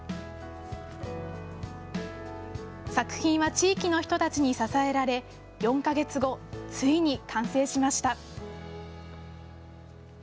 作品は地域の人たちに支えられ、４か月後、ついに完成しました。